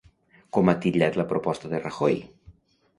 Com ha titllat la proposta de Rajoy?